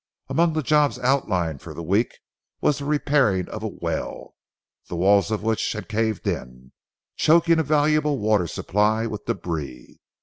Among the jobs outlined for the week was the repairing of a well, the walls of which had caved in, choking a valuable water supply with débris.